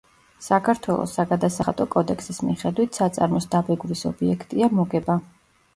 საქართველოს საგადასახადო კოდექსის მიხედვით, საწარმოს დაბეგვრის ობიექტია მოგება.